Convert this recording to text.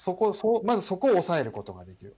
まずそこを押さえることができる。